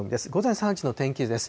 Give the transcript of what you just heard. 午前３時の天気図です。